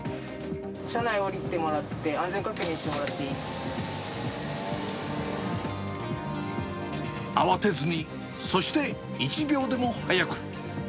車外降りてもらって、安全確慌てずに、そして１秒でも早く。